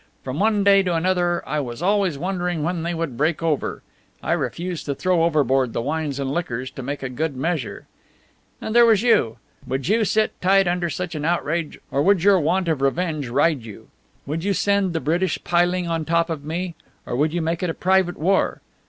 From one day to another I was always wondering when they would break over. I refused to throw overboard the wines and liquors to make a good measure. And there was you. Would you sit tight under such an outrage, or would your want of revenge ride you? Would you send the British piling on top of me, or would you make it a private war?